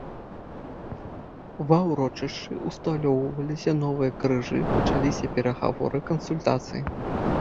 Ва ўрочышчы ўсталёўваліся новыя крыжы, пачаліся перагаворы, кансультацыі.